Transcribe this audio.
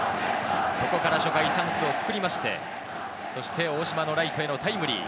そこから初回チャンスを作りまして、そして大島のライトへのタイムリー。